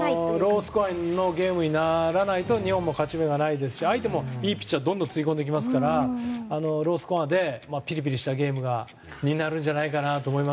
ロースコアのゲームにならないと日本も勝ち目がないですし相手もいいピッチャーをどんどんつぎ込んできますからロースコアでピリピリしたゲームになると思います。